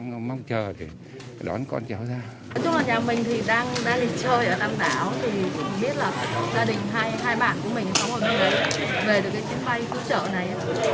mình biết là gia đình hai bạn của mình không có người về được chuyến bay cứu trợ này